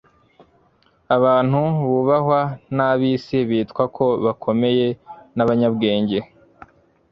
Abantu bubahwa n'ab'isi, bitwa ko bakomeye n'abanyabwenge;